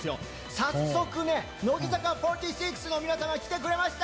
早速、乃木坂４６の皆さんが来てくれました！